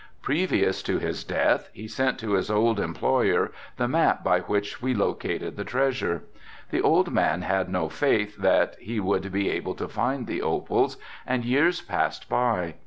Previous to his death he sent to his old employer the map by which we located the treasure. The old man had no faith that he would be able to find the opals and years passed by.